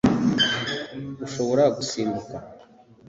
ushobora gusimbuka